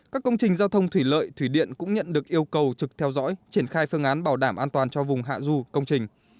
các công trình giao thông thủy lợi thủy điện cũng nhận được yêu cầu trực theo dõi triển khai phương án bảo đảm an toàn cho vùng hạ du công trình